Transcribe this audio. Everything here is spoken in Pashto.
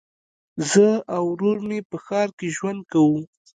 زه او ورور مي په ښار کي ژوند کوو.